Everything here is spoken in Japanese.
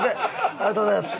ありがとうございます。